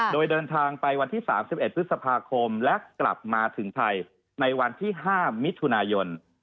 โดยเดินทางไปวันที่๓๑พฤษภาคมและกลับมาถึงไทยในวันที่๕มิถุนายน